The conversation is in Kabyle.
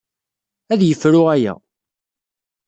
Ad yefru aya.